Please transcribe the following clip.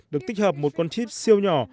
được tích hợp một con chip siêu nhỏ